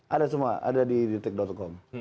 ada semua ada di detik com